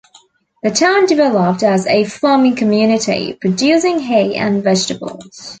The town developed as a farming community, producing hay and vegetables.